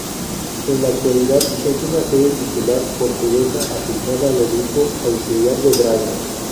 En la actualidad es una sede titular portuguesa asignada al obispo auxiliar de Braga.